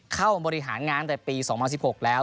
เข้าบริหารงานตั้งแต่ปี๒๐๑๖แล้ว